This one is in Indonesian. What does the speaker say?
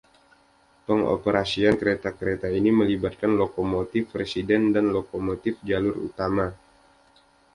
Pengoperasian kereta-kereta ini melibatkan lokomotif residen dan lokomotif jalur utama.